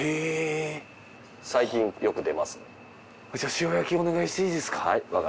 塩焼きお願いしていいですか？